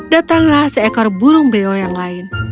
datanglah seekor burung beo yang lain